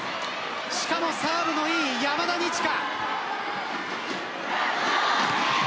しかも、サーブのいい山田二千華。